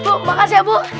bu makasih ya bu